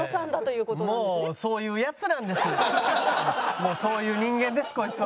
もうそういう人間ですこいつは。